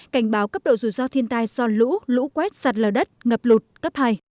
cảnh báo cấp độ dù do thiên tai do lũ lũ quét sạt lở đất ngập lụt cấp hai